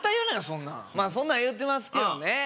そんなんまあそんなん言うてますけどね